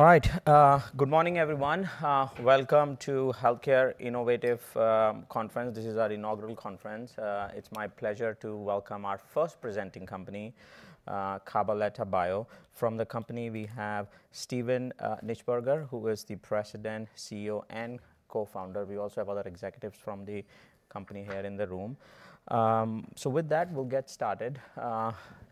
All right. Good morning, everyone. Welcome to Healthcare Innovation Conference. This is our inaugural conference. It's my pleasure to welcome our first presenting company, Cabaletta Bio. From the company, we have Steven Nichtberger, who is the President, CEO, and co-founder. We also have other executives from the company here in the room. So with that, we'll get started.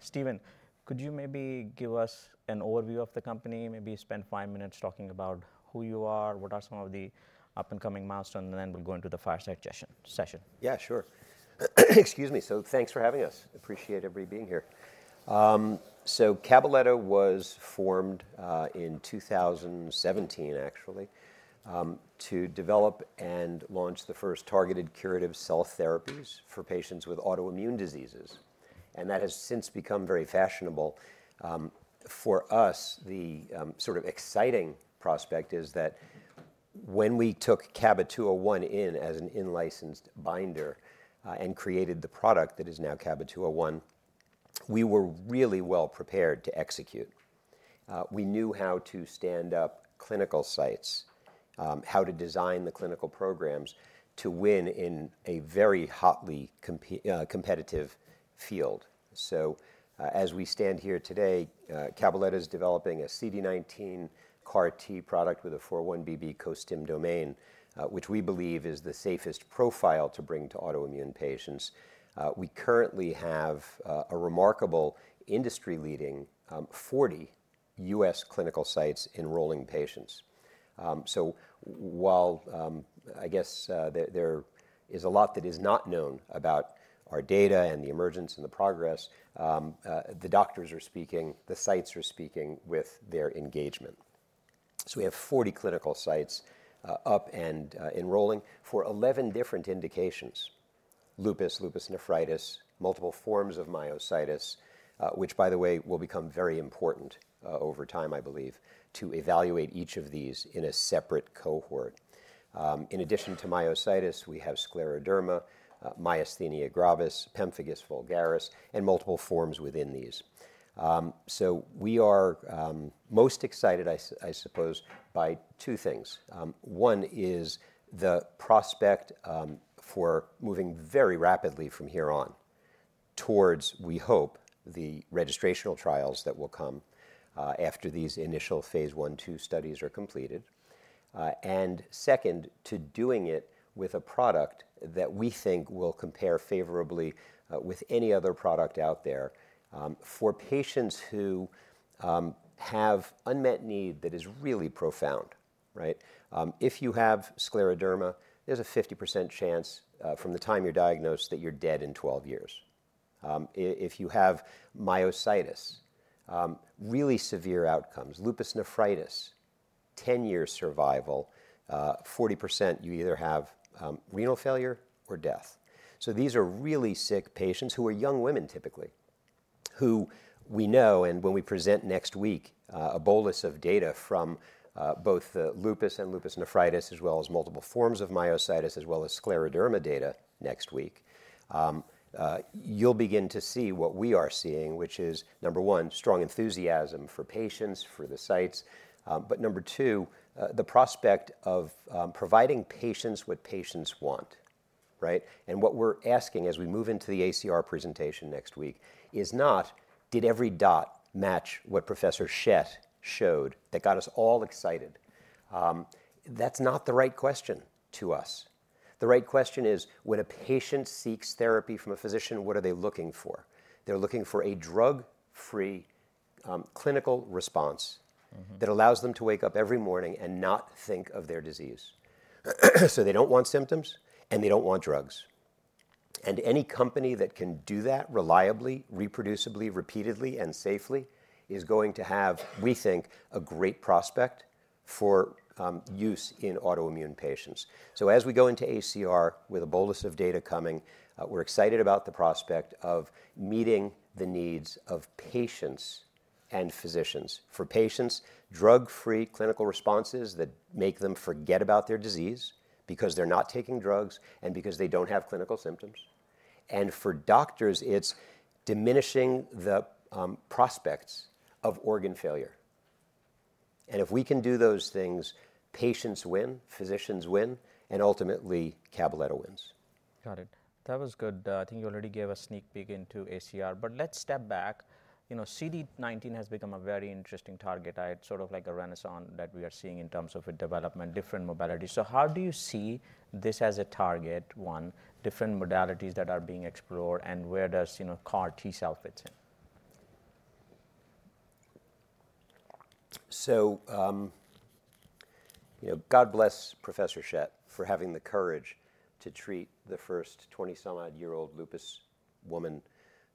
Steven, could you maybe give us an overview of the company? Maybe spend five minutes talking about who you are, what are some of the up-and-coming milestones, and then we'll go into the fireside session. Yeah, sure. Excuse me. So, thanks for having us. Appreciate everybody being here. So, Cabaletta was formed in 2017, actually, to develop and launch the first targeted curative cell therapies for patients with autoimmune diseases. And that has since become very fashionable. For us, the sort of exciting prospect is that when we took CABA-201 in as an in-licensed binder and created the product that is now CABA-201, we were really well prepared to execute. We knew how to stand up clinical sites, how to design the clinical programs to win in a very hotly competitive field. So, as we stand here today, Cabaletta is developing a CD19 CAR T product with a 4-1BB co-stim domain, which we believe is the safest profile to bring to autoimmune patients. We currently have a remarkable industry-leading 40 U.S. clinical sites enrolling patients. So while I guess there is a lot that is not known about our data and the emergence and the progress, the doctors are speaking, the sites are speaking with their engagement. So we have 40 clinical sites up and enrolling for 11 different indications: lupus, lupus nephritis, multiple forms of myositis, which, by the way, will become very important over time, I believe, to evaluate each of these in a separate cohort. In addition to myositis, we have scleroderma, myasthenia gravis, pemphigus vulgaris, and multiple forms within these. So we are most excited, I suppose, by two things. One is the prospect for moving very rapidly from here on towards, we hope, the registrational trials that will come after these initial Phase I and Phase II studies are completed. And second, to doing it with a product that we think will compare favorably with any other product out there for patients who have unmet need that is really profound. If you have scleroderma, there's a 50% chance from the time you're diagnosed that you're dead in 12 years. If you have myositis, really severe outcomes, lupus nephritis, 10 years survival, 40%, you either have renal failure or death. So these are really sick patients who are young women, typically, who we know, and when we present next week, a bolus of data from both the lupus and lupus nephritis, as well as multiple forms of myositis, as well as scleroderma data next week, you'll begin to see what we are seeing, which is, number one, strong enthusiasm for patients, for the sites. But number two, the prospect of providing patients what patients want. What we're asking as we move into the ACR presentation next week is not, did every dot match what Professor Schett showed that got us all excited? That's not the right question to us. The right question is, when a patient seeks therapy from a physician, what are they looking for? They're looking for a drug-free clinical response that allows them to wake up every morning and not think of their disease. So they don't want symptoms and they don't want drugs. And any company that can do that reliably, reproducibly, repeatedly, and safely is going to have, we think, a great prospect for use in autoimmune patients. So, as we go into ACR with a bolus of data coming, we're excited about the prospect of meeting the needs of patients and physicians for patients, drug-free clinical responses that make them forget about their disease because they're not taking drugs and because they don't have clinical symptoms. And for doctors, it's diminishing the prospects of organ failure. And if we can do those things, patients win, physicians win, and ultimately Cabaletta wins. Got it. That was good. I think you already gave a sneak peek into ACR. But let's step back. CD19 has become a very interesting target. It's sort of like a renaissance that we are seeing in terms of development, different modalities. So how do you see this as a target one, different modalities that are being explored, and where does CAR T cell fits in? God bless Professor Schett for having the courage to treat the first 20-some-odd-year-old lupus woman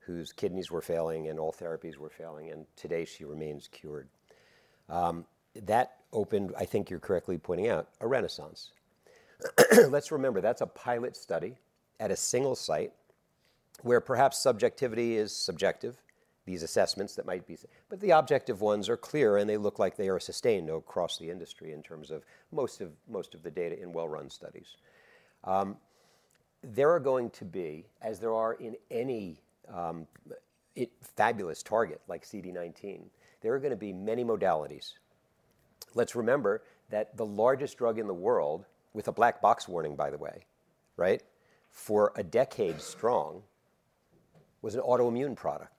whose kidneys were failing and all therapies were failing, and today she remains cured. That opened, I think you're correctly pointing out, a renaissance. Let's remember, that's a pilot study at a single site where perhaps subjectivity is subjective, these assessments that might be said. But the objective ones are clear, and they look like they are sustained across the industry in terms of most of the data in well-run studies. There are going to be, as there are in any fabulous target like CD19, there are going to be many modalities. Let's remember that the largest drug in the world, with a black box warning, by the way, for a decade strong, was an autoimmune product.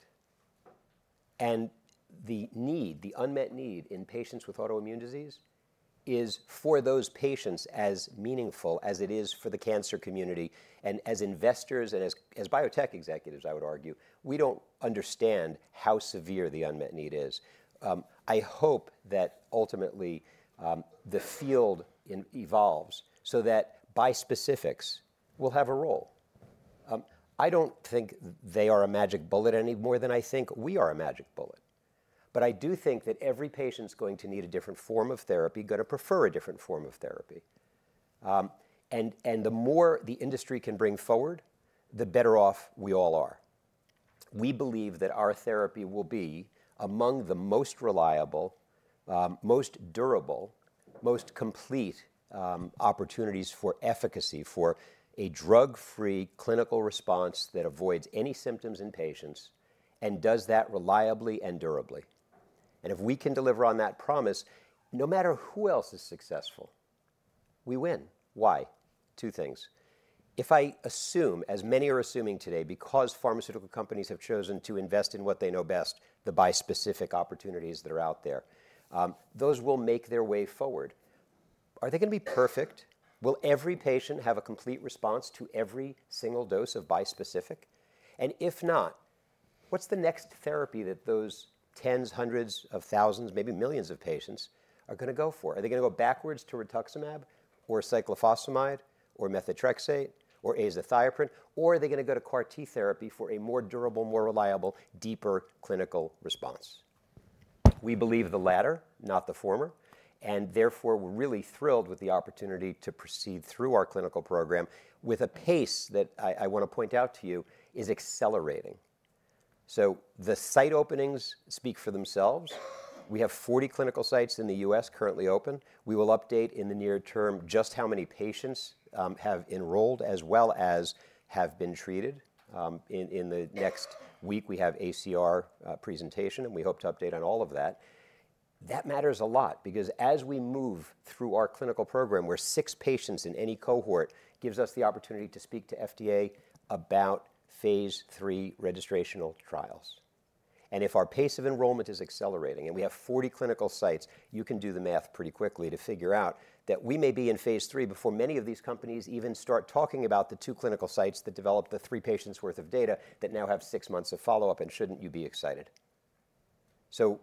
The need, the unmet need in patients with autoimmune disease is for those patients as meaningful as it is for the cancer community and as investors and as biotech executives, I would argue. We don't understand how severe the unmet need is. I hope that ultimately the field evolves so that bispecifics will have a role. I don't think they are a magic bullet any more than I think we are a magic bullet. I do think that every patient's going to need a different form of therapy, going to prefer a different form of therapy. The more the industry can bring forward, the better off we all are. We believe that our therapy will be among the most reliable, most durable, most complete opportunities for efficacy for a drug-free clinical response that avoids any symptoms in patients and does that reliably and durably. If we can deliver on that promise, no matter who else is successful, we win. Why? Two things. If I assume, as many are assuming today, because pharmaceutical companies have chosen to invest in what they know best, the bispecific opportunities that are out there, those will make their way forward. Are they going to be perfect? Will every patient have a complete response to every single dose of bispecific? And if not, what's the next therapy that those tens, hundreds of thousands, maybe millions of patients are going to go for? Are they going to go backwards to rituximab or cyclophosphamide or methotrexate or azathioprine? Or are they going to go to CAR T therapy for a more durable, more reliable, deeper clinical response? We believe the latter, not the former. Therefore, we're really thrilled with the opportunity to proceed through our clinical program with a pace that I want to point out to you is accelerating. The site openings speak for themselves. We have 40 clinical sites in the U.S. currently open. We will update in the near term just how many patients have enrolled as well as have been treated. In the next week, we have ACR presentation, and we hope to update on all of that. That matters a lot because as we move through our clinical program, where six patients in any cohort gives us the opportunity to speak to FDA about Phase III registrational trials. If our pace of enrollment is accelerating and we have 40 clinical sites, you can do the math pretty quickly to figure out that we may be in Phase III before many of these companies even start talking about the two clinical sites that developed the three patients' worth of data that now have six months of follow-up, and shouldn't you be excited?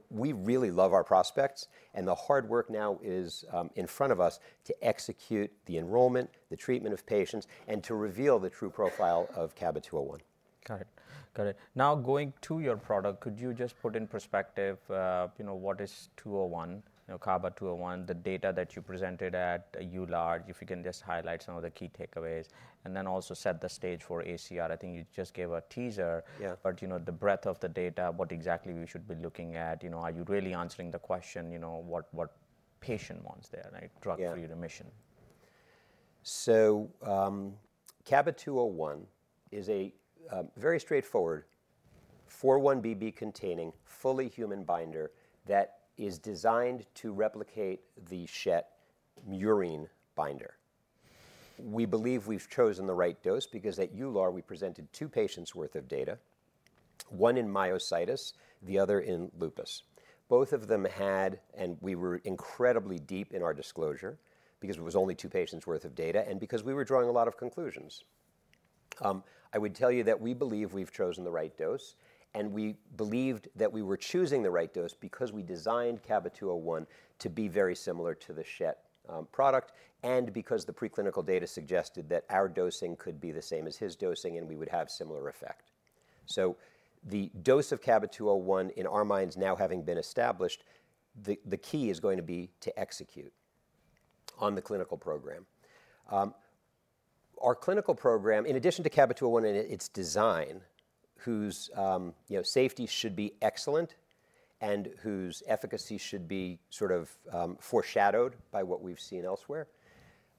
We really love our prospects, and the hard work now is in front of us to execute the enrollment, the treatment of patients, and to reveal the true profile of CABA-201. Got it. Got it. Now going to your product, could you just put in perspective what is 201, CABA-201, the data that you presented at EULAR? If you can just highlight some of the key takeaways and then also set the stage for ACR. I think you just gave a teaser, but the breadth of the data, what exactly we should be looking at? Are you really answering the question what patient wants there, drug-free remission? So CABA-201 is a very straightforward 4-1BB containing fully human binder that is designed to replicate the Schett murine binder. We believe we've chosen the right dose because at EULAR, we presented two patients' worth of data, one in myositis, the other in lupus. Both of them had, and we were incredibly deep in our disclosure because it was only two patients' worth of data and because we were drawing a lot of conclusions. I would tell you that we believe we've chosen the right dose, and we believed that we were choosing the right dose because we designed CABA-201 to be very similar to the Schett product and because the preclinical data suggested that our dosing could be the same as his dosing and we would have similar effect. So the dose of CABA-201, in our minds now having been established, the key is going to be to execute on the clinical program. Our clinical program, in addition to CABA-201 and its design, whose safety should be excellent and whose efficacy should be sort of foreshadowed by what we've seen elsewhere,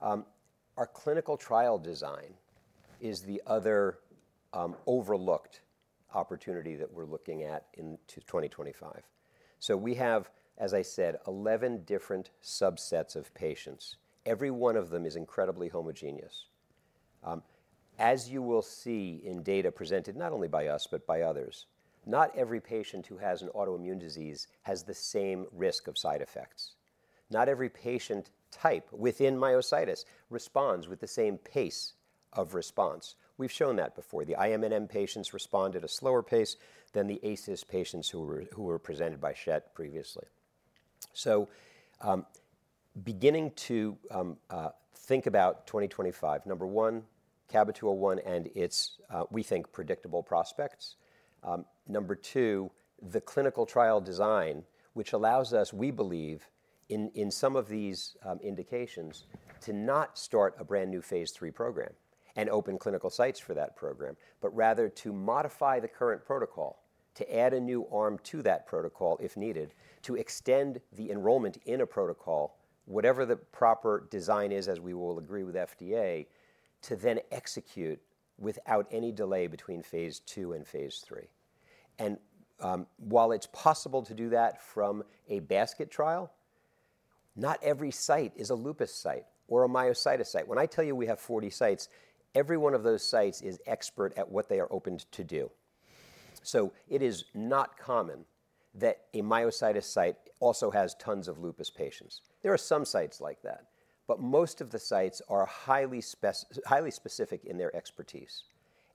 our clinical trial design is the other overlooked opportunity that we're looking at in 2025. So we have, as I said, 11 different subsets of patients. Every one of them is incredibly homogeneous. As you will see in data presented not only by us, but by others, not every patient who has an autoimmune disease has the same risk of side effects. Not every patient type within myositis responds with the same pace of response. We've shown that before. The IMNM patients respond at a slower pace than the ASyS patients who were presented by Schett previously. Beginning to think about 2025, number one, CABA-201 and its, we think, predictable prospects. Number two, the clinical trial design, which allows us, we believe, in some of these indications to not start a brand new Phase III program and open clinical sites for that program, but rather to modify the current protocol, to add a new arm to that protocol if needed, to extend the enrollment in a protocol, whatever the proper design is, as we will agree with FDA, to then execute without any delay between Phase II and Phase III. While it's possible to do that from a basket trial, not every site is a lupus site or a myositis site. When I tell you we have 40 sites, every one of those sites is expert at what they are open to do. So it is not common that a myositis site also has tons of lupus patients. There are some sites like that, but most of the sites are highly specific in their expertise.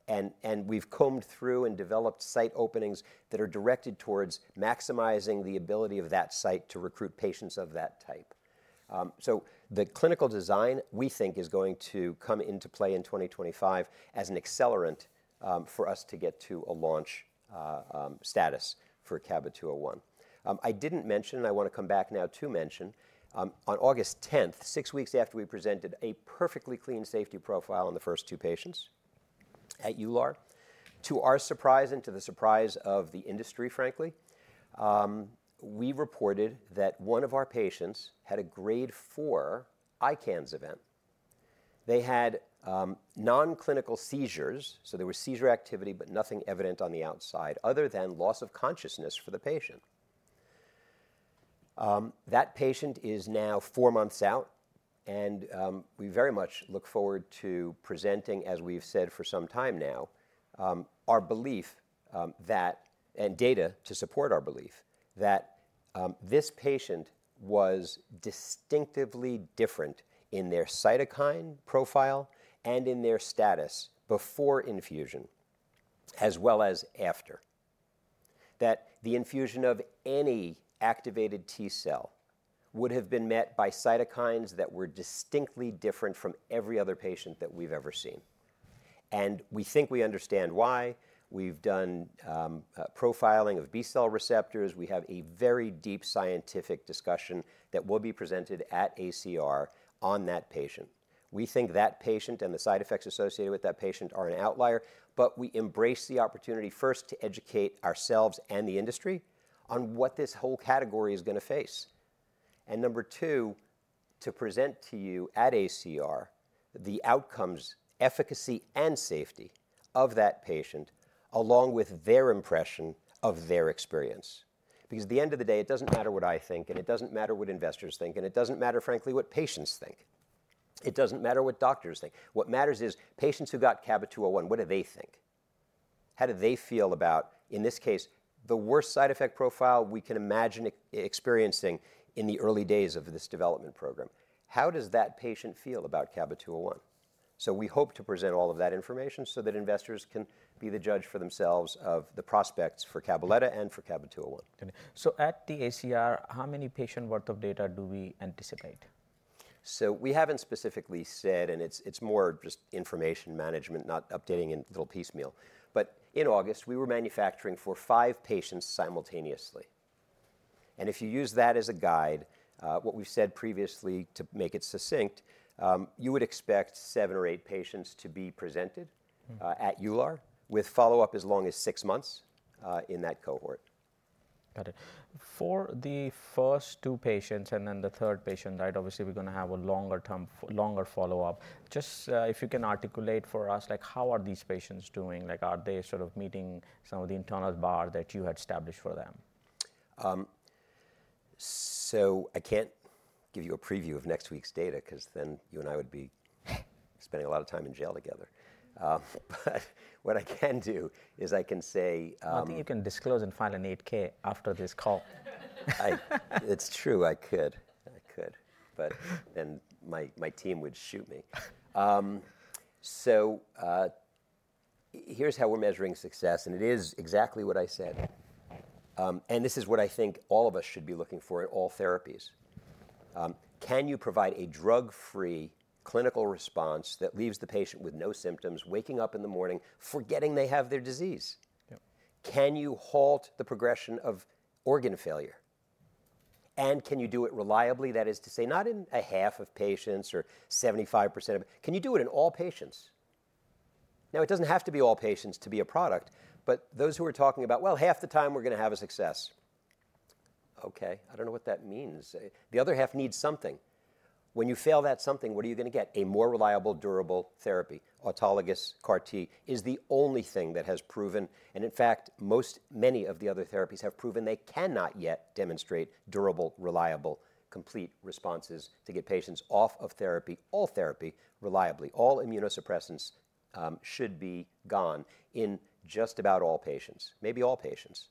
And we've combed through and developed site openings that are directed towards maximizing the ability of that site to recruit patients of that type. So the clinical design, we think, is going to come into play in 2025 as an accelerant for us to get to a launch status for CABA-201. I didn't mention, and I want to come back now to mention, on August 10, six weeks after we presented a perfectly clean safety profile on the first two patients at EULAR, to our surprise and to the surprise of the industry, frankly, we reported that one of our patients had a grade four ICANS event. They had nonclinical seizures, so there was seizure activity, but nothing evident on the outside other than loss of consciousness for the patient. That patient is now four months out, and we very much look forward to presenting, as we've said for some time now, our belief and data to support our belief that this patient was distinctively different in their cytokine profile and in their status before infusion as well as after, that the infusion of any activated T cell would have been met by cytokines that were distinctly different from every other patient that we've ever seen. And we think we understand why. We've done profiling of B cell receptors. We have a very deep scientific discussion that will be presented at ACR on that patient. We think that patient and the side effects associated with that patient are an outlier, but we embrace the opportunity first to educate ourselves and the industry on what this whole category is going to face, and number two, to present to you at ACR the outcomes, efficacy, and safety of that patient along with their impression of their experience. Because at the end of the day, it doesn't matter what I think, and it doesn't matter what investors think, and it doesn't matter, frankly, what patients think. It doesn't matter what doctors think. What matters is patients who got CABA-201. What do they think? How do they feel about, in this case, the worst side effect profile we can imagine experiencing in the early days of this development program? How does that patient feel about CABA-201? So we hope to present all of that information so that investors can be the judge for themselves of the prospects for Cabaletta and for CABA-201. So at the ACR, how many patients worth of data do we anticipate? We haven't specifically said, and it's more just information management, not updating in little piecemeal. In August, we were manufacturing for five patients simultaneously. If you use that as a guide, what we've said previously to make it succinct, you would expect seven or eight patients to be presented at EULAR with follow-up as long as six months in that cohort. Got it. For the first two patients and then the third patient, right, obviously we're going to have a longer follow-up. Just if you can articulate for us, how are these patients doing? Are they sort of meeting some of the internal bar that you had established for them? So I can't give you a preview of next week's data because then you and I would be spending a lot of time in jail together. But what I can do is I can say. I think you can disclose and file an 8-K after this call. It's true. I could. I could. But then my team would shoot me. So here's how we're measuring success, and it is exactly what I said. And this is what I think all of us should be looking for in all therapies. Can you provide a drug-free clinical response that leaves the patient with no symptoms, waking up in the morning, forgetting they have their disease? Can you halt the progression of organ failure? And can you do it reliably? That is to say, not in a half of patients or 75% of it. Can you do it in all patients? Now, it doesn't have to be all patients to be a product, but those who are talking about, well, half the time we're going to have a success. Okay. I don't know what that means. The other half needs something. When you fail at something, what are you going to get? A more reliable, durable therapy. Autologous CAR T is the only thing that has proven, and in fact, many of the other therapies have proven they cannot yet demonstrate durable, reliable, complete responses to get patients off of therapy, all therapy, reliably. All immunosuppressants should be gone in just about all patients, maybe all patients.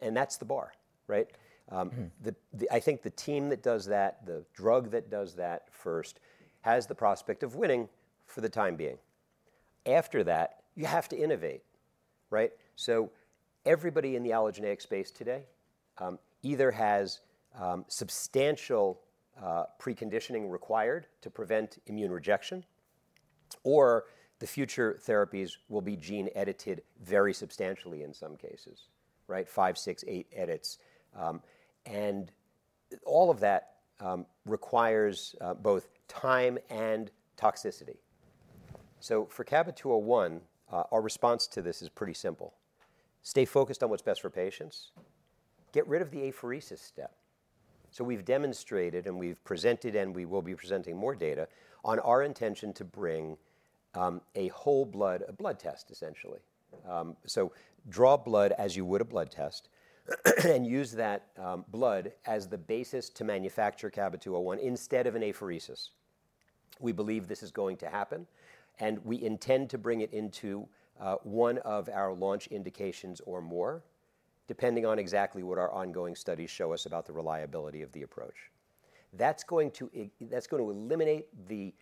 That's the bar, right? I think the team that does that, the drug that does that first, has the prospect of winning for the time being. After that, you have to innovate, right? So everybody in the allogeneic space today either has substantial preconditioning required to prevent immune rejection, or the future therapies will be gene-edited very substantially in some cases, right? Five, six, eight edits. All of that requires both time and toxicity. So for CABA-201, our response to this is pretty simple. Stay focused on what's best for patients. Get rid of the apheresis step. So we've demonstrated and we've presented and we will be presenting more data on our intention to bring a whole blood, a blood test essentially. So draw blood as you would a blood test and use that blood as the basis to manufacture CABA-201 instead of an apheresis. We believe this is going to happen, and we intend to bring it into one of our launch indications or more, depending on exactly what our ongoing studies show us about the reliability of the approach. That's going to eliminate the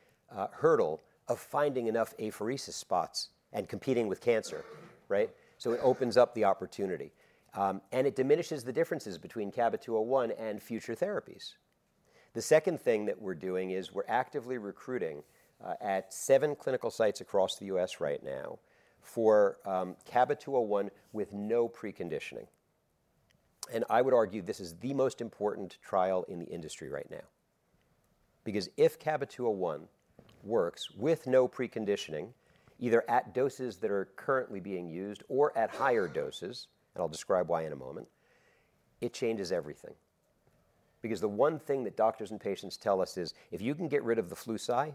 hurdle of finding enough apheresis spots and competing with cancer, right? So it opens up the opportunity. And it diminishes the differences between CABA-201 and future therapies. The second thing that we're doing is we're actively recruiting at seven clinical sites across the U.S. right now for CABA-201 with no preconditioning. And I would argue this is the most important trial in the industry right now. Because if CABA-201 works with no preconditioning, either at doses that are currently being used or at higher doses, and I'll describe why in a moment, it changes everything. Because the one thing that doctors and patients tell us is if you can get rid of the Flu/Cy,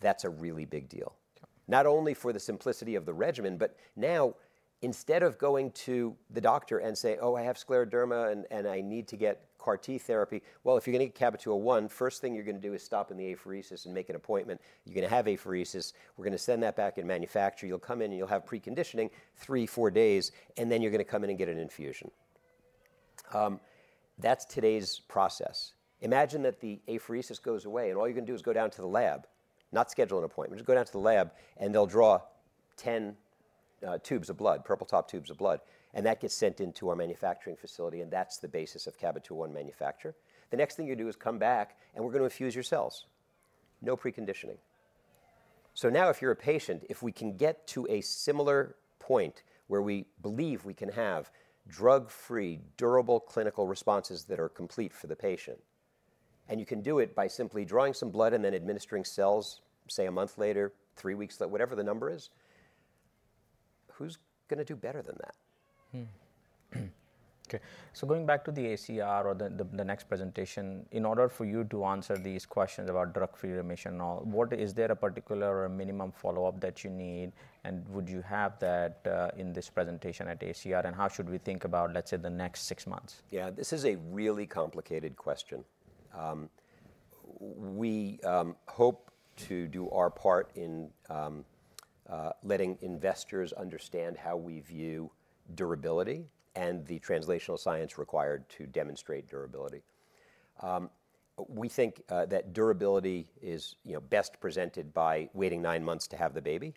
that's a really big deal. Not only for the simplicity of the regimen, but now instead of going to the doctor and saying, "Oh, I have scleroderma and I need to get CAR T therapy." Well, if you're going to get CABA-201, first thing you're going to do is stop in the apheresis and make an appointment. You're going to have apheresis. We're going to send that back and manufacture. You'll come in and you'll have preconditioning three, four days, and then you're going to come in and get an infusion. That's today's process. Imagine that the apheresis goes away and all you're going to do is go down to the lab, not schedule an appointment, just go down to the lab and they'll draw 10 tubes of blood, purple top tubes of blood, and that gets sent into our manufacturing facility and that's the basis of CABA-201 manufacture. The next thing you do is come back and we're going to infuse your cells. No preconditioning. Now if you're a patient, if we can get to a similar point where we believe we can have drug-free, durable clinical responses that are complete for the patient, and you can do it by simply drawing some blood and then administering cells, say a month later, three weeks, whatever the number is, who's going to do better than that? Going back to the ACR or the next presentation, in order for you to answer these questions about drug-free remission, is there a particular or a minimum follow-up that you need? And would you have that in this presentation at ACR? And how should we think about, let's say, the next six months? Yeah, this is a really complicated question. We hope to do our part in letting investors understand how we view durability and the translational science required to demonstrate durability. We think that durability is best presented by waiting nine months to have the baby,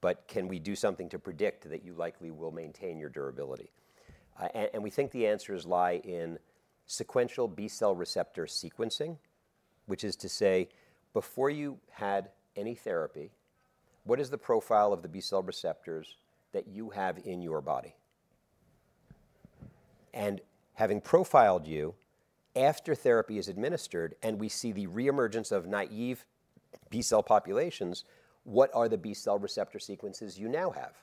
but can we do something to predict that you likely will maintain your durability? And we think the answers lie in sequential B cell receptor sequencing, which is to say, before you had any therapy, what is the profile of the B cell receptors that you have in your body? And having profiled you after therapy is administered and we see the reemergence of naive B cell populations, what are the B cell receptor sequences you now have?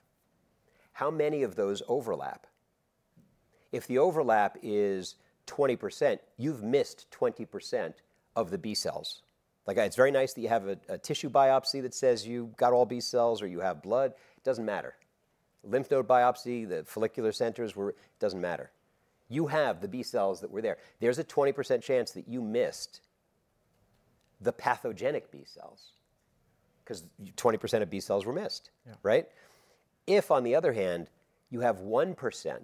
How many of those overlap? If the overlap is 20%, you've missed 20% of the B cells. It's very nice that you have a tissue biopsy that says you got all B cells or you have blood. It doesn't matter. Lymph node biopsy, the follicular centers, it doesn't matter. You have the B cells that were there. There's a 20% chance that you missed the pathogenic B cells because 20% of B cells were missed, right? If on the other hand, you have 1%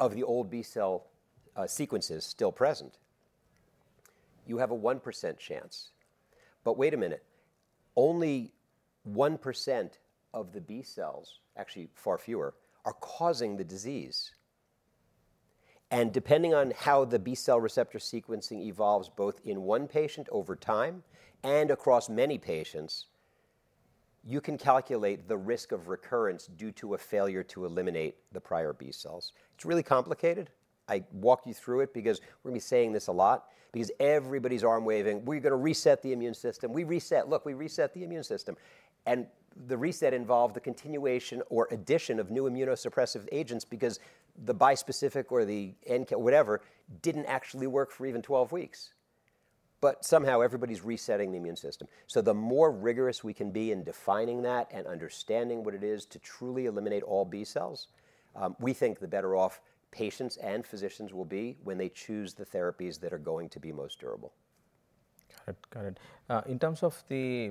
of the old B cell sequences still present, you have a 1% chance. But wait a minute, only 1% of the B cells, actually far fewer, are causing the disease. And depending on how the B cell receptor sequencing evolves both in one patient over time and across many patients, you can calculate the risk of recurrence due to a failure to eliminate the prior B cells. It's really complicated. I walk you through it because we're going to be saying this a lot because everybody's arm waving, "We're going to reset the immune system. We reset, look, we reset the immune system." And the reset involved the continuation or addition of new immunosuppressive agents because the bispecific or the NK, whatever, didn't actually work for even 12 weeks. But somehow everybody's resetting the immune system. So the more rigorous we can be in defining that and understanding what it is to truly eliminate all B cells, we think the better off patients and physicians will be when they choose the therapies that are going to be most durable. Got it. In terms of the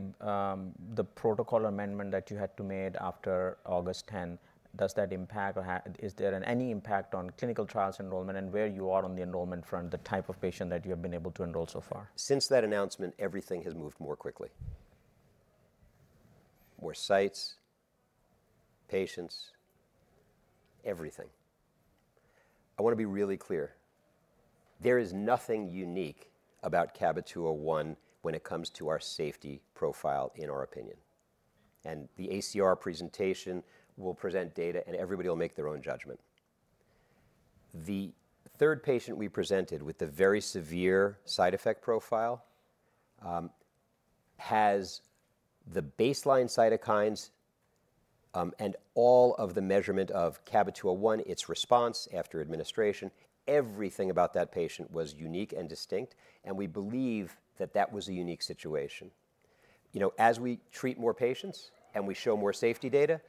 protocol amendment that you had to make after August 10, does that impact or is there any impact on clinical trials enrollment and where you are on the enrollment front, the type of patient that you have been able to enroll so far? Since that announcement, everything has moved more quickly. More sites, patients, everything. I want to be really clear. There is nothing unique about CABA-201 when it comes to our safety profile in our opinion, and the ACR presentation will present data and everybody will make their own judgment. The third patient we presented with the very severe side effect profile has the baseline cytokines and all of the measurement of CABA-201, its response after administration, everything about that patient was unique and distinct, and we believe that that was a unique situation. As we treat more patients and we show more safety data,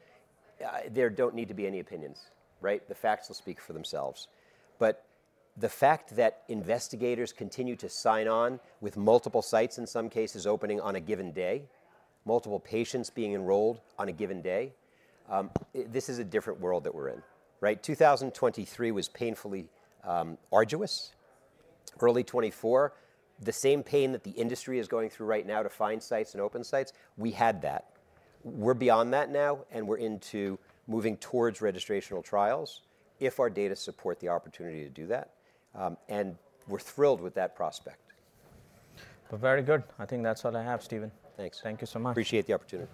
there don't need to be any opinions, right? The facts will speak for themselves. But the fact that investigators continue to sign on with multiple sites in some cases opening on a given day, multiple patients being enrolled on a given day, this is a different world that we're in, right? 2023 was painfully arduous. Early 2024, the same pain that the industry is going through right now to find sites and open sites, we had that. We're beyond that now and we're into moving towards registrational trials if our data support the opportunity to do that. And we're thrilled with that prospect. Very good. I think that's all I have, Steven. Thanks. Thank you so much. Appreciate the opportunity.